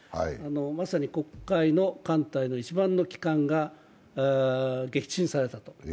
まさに黒海の艦隊の一番の旗艦が撃沈されたと。